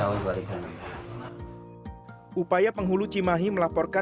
upaya penghulu cimahi melaporkan